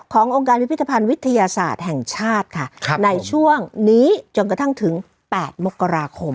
องค์การพิพิธภัณฑ์วิทยาศาสตร์แห่งชาติค่ะในช่วงนี้จนกระทั่งถึง๘มกราคม